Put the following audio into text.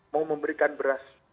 mau memberikan beras